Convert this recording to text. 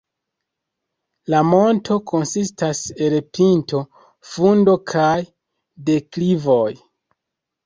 La monto konsistas el pinto, fundo kaj deklivoj.